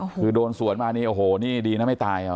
คือโดนสวนมานี่โอ้โหนี่ดีนะไม่ตาย